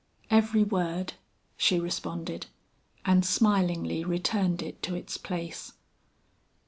"Every word," she responded, and smilingly returned it to its place.